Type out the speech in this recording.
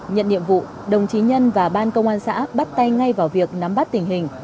nhận nhiệm vụ đồng chí nhân và ban công an xã bắt tay ngay vào việc nắm bắt tình hình